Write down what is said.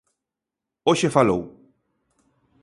Hoxe falou.